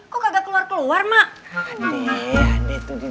kok kagak keluar keluar mak